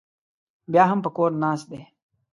بیا هم په کور ناست دی.